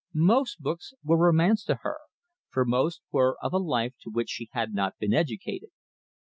Most books were romance to her, for most were of a life to which she had not been educated.